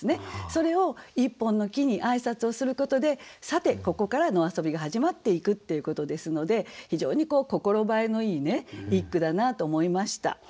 それを一本の木に挨拶をすることでさてここから野遊びが始まっていくっていうことですので非常に心映えのいいね一句だなと思いました。